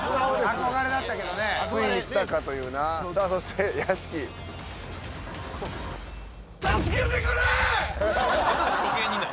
憧れだったけどねついに来たかというなさあそして屋敷処刑人だ